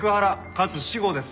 かつ死語です。